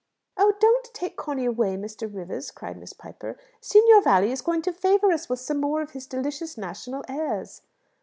"Oh, don't take Conny away, Mr. Rivers," cried Miss Piper. "Signor Valli is going to favour us with some more of his delicious national airs."